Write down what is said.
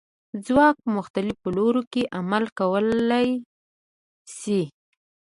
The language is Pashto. ځواک په مختلفو لورو کې عمل کولی شي.